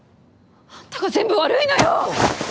あんたが全部悪いのよ！